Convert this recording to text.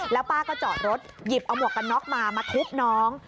แล้วป้าก็จอดรถหยิบเอาหมวกกันน็อกมามาทุบน้อง